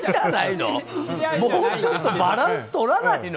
もうちょっとバランスとらないの？